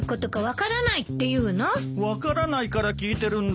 分からないから聞いてるんだよ。